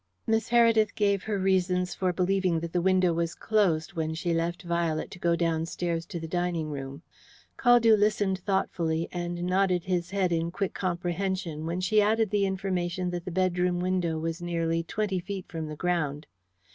Miss Heredith gave her reasons for believing that the window was closed when she left Violet to go downstairs to the dining room. Caldew listened thoughtfully, and nodded his head in quick comprehension when she added the information that the bedroom window was nearly twenty feet from the ground.